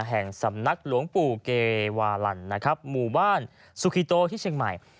แห่งสำนักหลวงปู่เกวาลันนะครับหมู่บ้านสุขิโตที่เชียงใหม่